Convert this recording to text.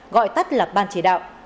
gọi tắt lạc ban chỉ đạo